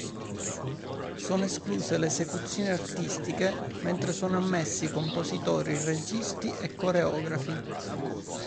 Sono escluse le esecuzioni artistiche, mentre sono ammessi compositori, registi e coreografi.